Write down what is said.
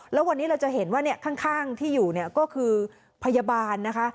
แล้ววันนี้เราจะเห็นว่าข้างที่อยู่เนี่ยก็คือพยาบาลนะคะ